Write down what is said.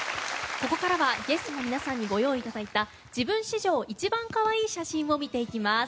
ここからは、ゲストの皆さんにご用意いただいた自分史上一番かわいい写真を見ていきます。